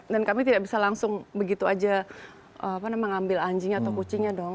dan kami tidak bisa langsung begitu aja mengambil anjingnya atau kucingnya dong